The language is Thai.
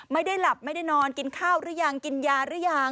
ไม่ได้หลับไม่ได้นอนกินข้าวหรือยังกินยาหรือยัง